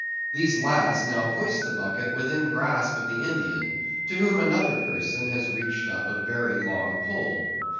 These last now hoist the bucket within grasp of the Indian, to whom another person has reached up a very long pole.